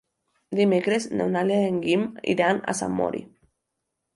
Dimecres n'Eulàlia i en Guim iran a Sant Mori.